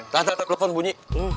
tata telepon bunyi